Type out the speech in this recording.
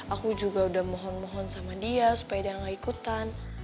aku juga udah mohon mohon sama dia supaya dia gak ikutan